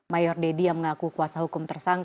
mayor deddy yang mengaku kuasa hukum tersangka